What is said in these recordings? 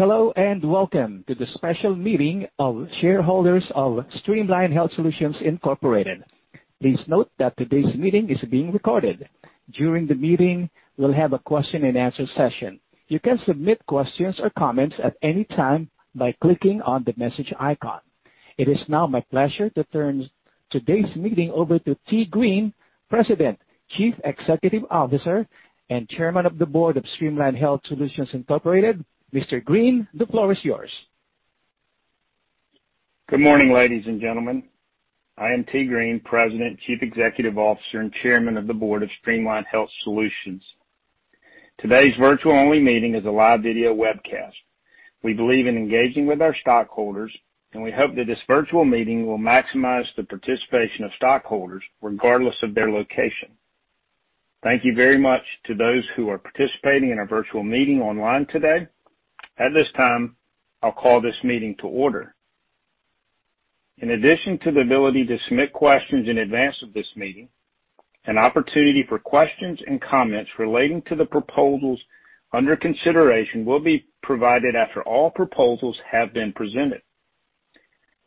Hello, and welcome to the Special Meeting of Shareholders of Streamline Health Solutions Incorporated. Please note that today's meeting is being recorded. During the meeting, we'll have a question-and-answer session. You can submit questions or comments at any time by clicking on the Message icon. It is now my pleasure to turn today's meeting over to Tee Green, President, Chief Executive Officer, and Chairman of the Board of Streamline Health Solutions Incorporated. Mr. Green, the floor is yours. Good morning, ladies and gentlemen. I am Tee Green, President, Chief Executive Officer, and Chairman of the Board of Streamline Health Solutions. Today's virtual-only meeting is a live video webcast. We believe in engaging with our stockholders, and we hope that this virtual meeting will maximize the participation of stockholders regardless of their location. Thank you very much to those who are participating in our virtual meeting online today. At this time, I'll call this meeting to order. In addition to the ability to submit questions in advance of this meeting, an opportunity for questions and comments relating to the proposals under consideration will be provided after all proposals have been presented.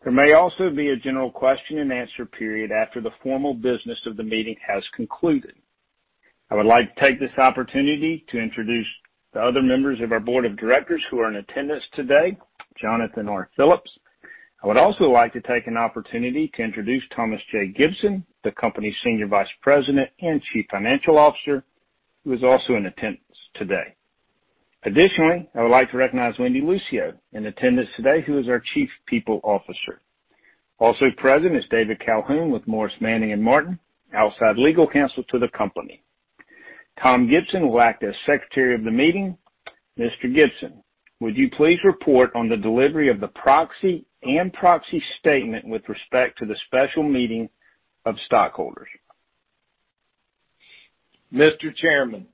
There may also be a general question-and-answer period after the formal business of the meeting has concluded. I would like to take this opportunity to introduce the other members of our Board of Directors who are in attendance today, Jonathan R. Phillips. I would also like to take an opportunity to introduce Thomas J. Gibson, the company's Senior Vice President and Chief Financial Officer, who is also in attendance today. Additionally, I would like to recognize Wendy Lucio, in attendance today, who is our Chief People Officer. Also present is David Calhoun with Morris, Manning & Martin, outside legal counsel to the company. Tom Gibson will act as Secretary of the meeting. Mr. Gibson, would you please report on the delivery of the proxy and proxy statement with respect to the Special Meeting of stockholder? Mr. Chairman,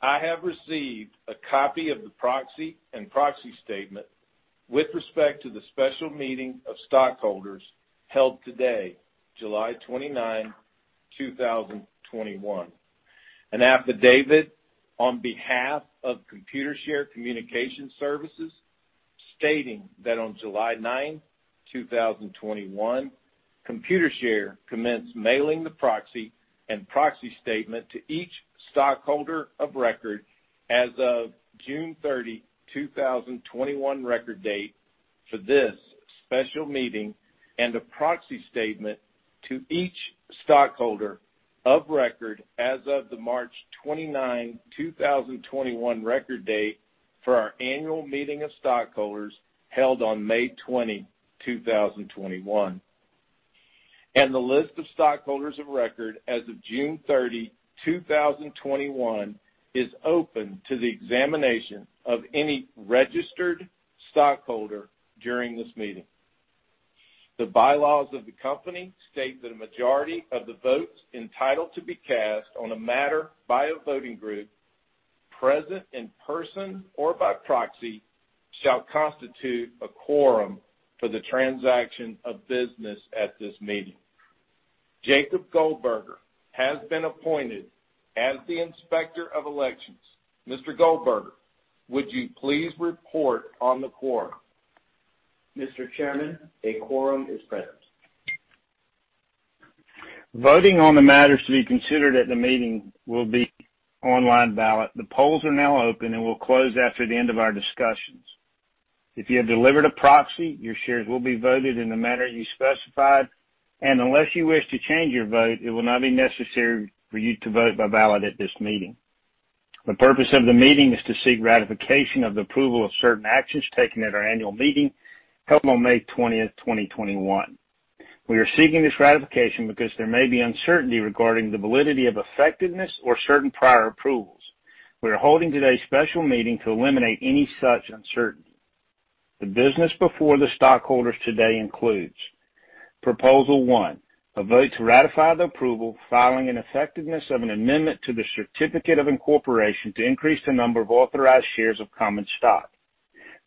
I have received a copy of the proxy and proxy statement with respect to the Special Meeting of stockholders held today, July 29, 2021. An affidavit on behalf of Computershare Communication Services stating that on July 9, 2021, Computershare commenced mailing the proxy and proxy statement to each stockholder of record as of June 30, 2021 record date for this Special Meeting, and a proxy statement to each stockholder of record as of the March 29, 2021 record date for our annual meeting of stockholders held on May 20, 2021. The list of stockholders of record as of June 30, 2021 is open to the examination of any registered stockholder during this meeting. The bylaws of the company state that a majority of the votes entitled to be cast on a matter by a voting group, present in person or by proxy, shall constitute a quorum for the transaction of business at this meeting. Jacob Goldberger has been appointed as the Inspector of Elections. Mr. Goldberger, would you please report on the quorum? Mr. Chairman, a quorum is present. Voting on the matters to be considered at the meeting will be online ballot. The polls are now open and will close after the end of our discussions. If you have delivered a proxy, your shares will be voted in the manner you specified. Unless you wish to change your vote, it will not be necessary for you to vote by ballot at this meeting. The purpose of the meeting is to seek ratification of the approval of certain actions taken at our annual meeting held on May 20th, 2021. We are seeking this ratification because there may be uncertainty regarding the validity of effectiveness or certain prior approvals. We are holding today's Special Meeting to eliminate any such uncertainty. The business before the stockholders today includes Proposal One, a vote to ratify the approval, filing, and effectiveness of an amendment to the Certificate of Incorporation to increase the number of authorized shares of common stock.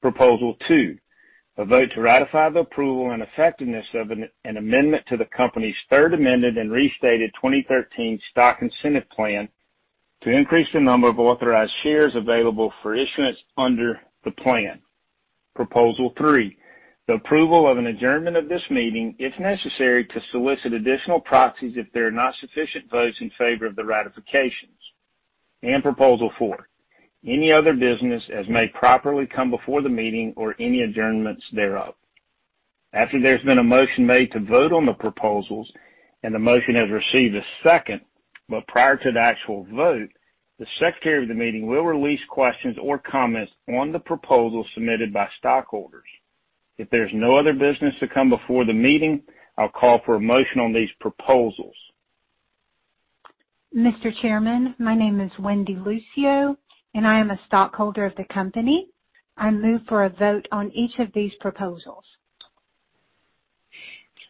Proposal Two, a vote to ratify the approval and effectiveness of an amendment to the company's Third Amended and Restated 2013 Stock Incentive Plan to increase the number of authorized shares available for issuance under the plan. Proposal Three, the approval of an adjournment of this meeting if necessary to solicit additional proxies, if there are not sufficient votes in favor of the ratifications. Proposal Four, any other business as may properly come before the meeting or any adjournments thereof. After there's been a motion made to vote on the proposals, and the motion has received a second, but prior to the actual vote, the secretary of the meeting will release questions or comments on the proposal submitted by stockholders. If there's no other business to come before the meeting, I'll call for a motion on these proposals. Mr. Chairman, my name is Wendy Lucio, and I am a stockholder of the company. I move for a vote on each of these proposals.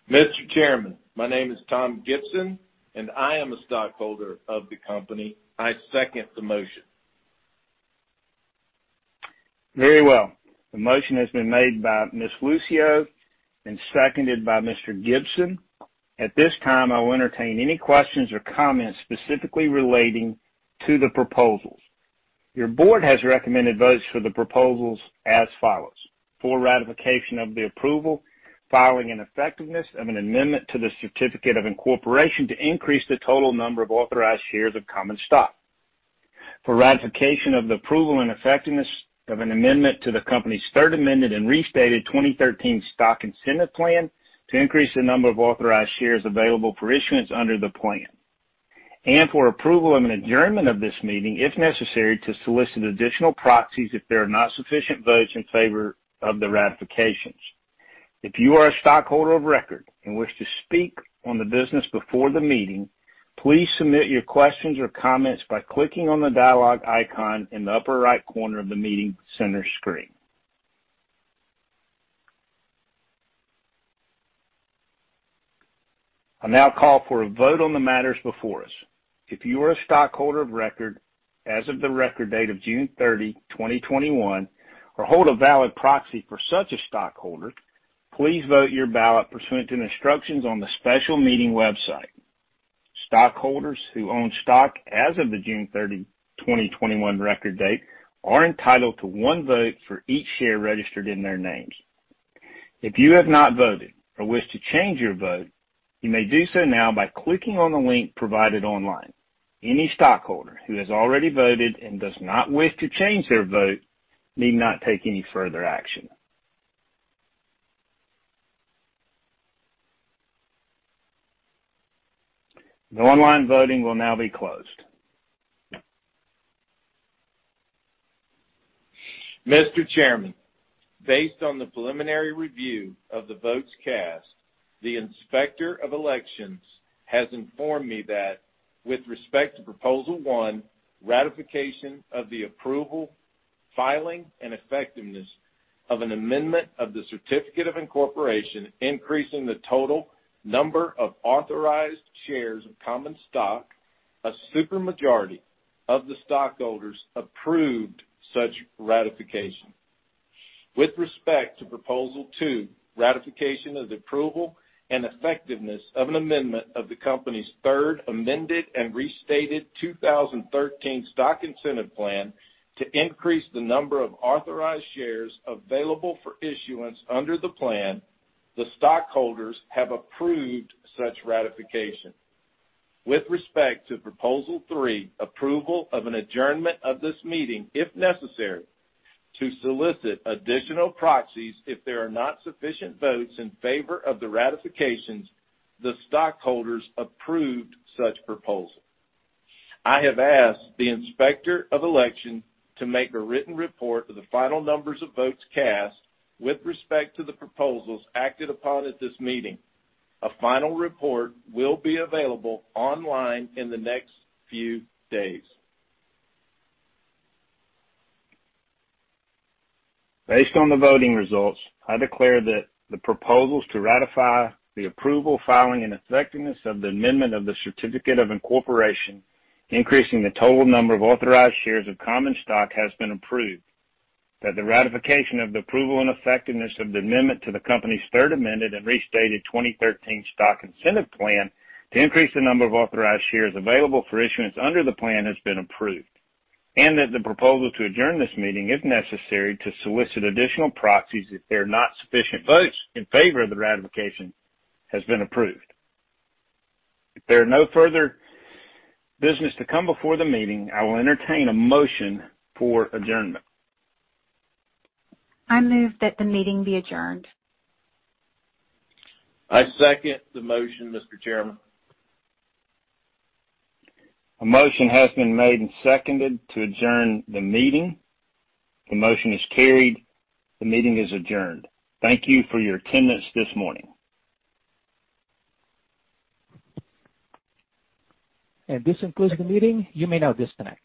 Mr. Chairman, my name is Tom Gibson, and I am a stockholder of the company. I second the motion. Very well. The motion has been made by Ms. Lucio and seconded by Mr. Gibson. At this time, I will entertain any questions or comments specifically relating to the proposals. Your Board has recommended votes for the proposals as follows: for ratification of the approval, filing, and effectiveness of an amendment to the Certificate of Incorporation to increase the total number of authorized shares of common stock, for ratification of the approval and effectiveness of an amendment to the company's Third Amended and Restated 2013 Stock Incentive Plan to increase the number of authorized shares available for issuance under the plan, and for approval of an adjournment of this meeting, if necessary, to solicit additional proxies if there are not sufficient votes in favor of the ratifications. If you are a stockholder of record and wish to speak on the business before the meeting, please submit your questions or comments by clicking on the Dialogue icon in the upper right corner of the meeting center screen. I'll now call for a vote on the matters before us. If you are a stockholder of record as of the record date of June 30, 2021, or hold a valid proxy for such a stockholder, please vote your ballot pursuant to the instructions on the Special Meeting website. Stockholders who own stock as of the June 30, 2021 record date are entitled to one vote for each share registered in their names. If you have not voted or wish to change your vote, you may do so now by clicking on the link provided online. Any stockholder who has already voted and does not wish to change their vote need not take any further action. The online voting will now be closed. Mr. Chairman, based on the preliminary review of the votes cast, the Inspector of Elections has informed me that with respect to Proposal One, ratification of the approval, filing, and effectiveness of an amendment of the Certificate of Incorporation, increasing the total number of authorized shares of common stock, a supermajority of the stockholders approved such ratification. With respect to Proposal Two, ratification of the approval and effectiveness of an amendment of the company's Third Amended and Restated 2013 Stock Incentive Plan to increase the number of authorized shares available for issuance under the plan, the stockholders have approved such ratification. With respect to Proposal Three, approval of an adjournment of this meeting, if necessary, to solicit additional proxies if there are not sufficient votes in favor of the ratifications, the stockholders approved such proposal. I have asked the Inspector of Elections to make a written report of the final numbers of votes cast with respect to the proposals acted upon at this meeting. A final report will be available online in the next few days. Based on the voting results, I declare that the proposals to ratify the approval, filing, and effectiveness of the amendment of the Certificate of Incorporation, increasing the total number of authorized shares of common stock, has been approved; that the ratification of the approval and effectiveness of the amendment to the company's Third Amended and Restated 2013 Stock Incentive Plan to increase the number of authorized shares available for issuance under the plan has been approved; and that the proposal to adjourn this meeting, if necessary, to solicit additional proxies if there are not sufficient votes in favor of the ratification, has been approved. If there are no further business to come before the meeting, I will entertain a motion for adjournment. I move that the meeting be adjourned. I second the motion, Mr. Chairman. A motion has been made and seconded to adjourn the meeting. The motion is carried. The meeting is adjourned. Thank you for your attendance this morning. This concludes the meeting. You may now disconnect.